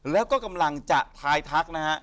แล้วก็กำลังจะทายทักนะฮะ